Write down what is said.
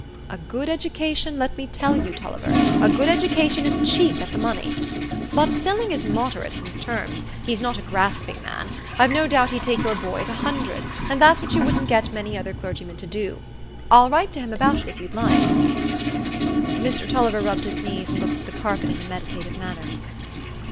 "A good education, let me tell you, Tulliver,—a good education is cheap at the money. But Stelling is moderate in his terms; he's not a grasping man. I've no doubt he'd take your boy at a hundred, and that's what you wouldn't get many other clergymen to do. I'll write to him about it, if you like." Mr Tulliver rubbed his knees, and looked at the carpet in a meditative manner.